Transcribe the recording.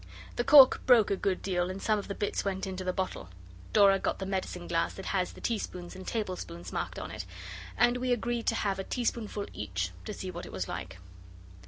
The cork broke a good deal, and some of the bits went into the bottle. Dora got the medicine glass that has the teaspoons and tablespoons marked on it, and we agreed to have a teaspoonful each, to see what it was like.